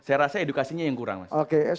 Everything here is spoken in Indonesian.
saya rasa edukasinya yang kurang mas